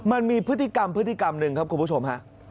มันมีพฤติกรรมพฤติกรรมหนึ่งครับคุณผู้ชมฮะ